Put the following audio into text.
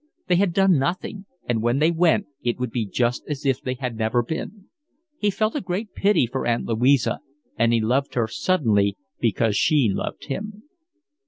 They had done nothing, and when they went it would be just as if they had never been. He felt a great pity for Aunt Louisa, and he loved her suddenly because she loved him.